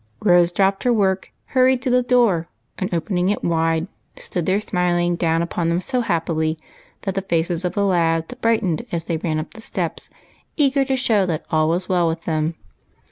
Rose dropped her work, hurried to the door, and, opening it wide, stood there smiling down upon them so happily, that the faces of the lads brightened as they ran up the steps eager to show that all was well with them.